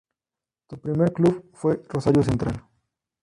Su primer club fue Rosario Central.